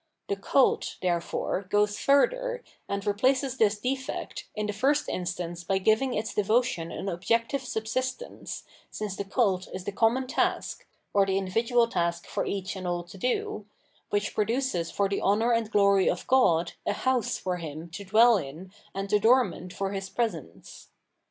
The Cult, therefore, goes further, and replaces this defect, in the first instance by giving its devotion an objective subsist ence, smce the cult is the common task — or the indi vidual task for each and all to do — which produces for the honour and glory of God a House for Him to dwell in and adornment for His presence.